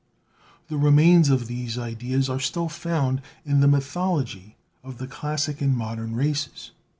The remains of these ideas are still found in the mythology of the classic and modern races.